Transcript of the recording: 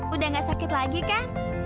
udah gak sakit lagi kan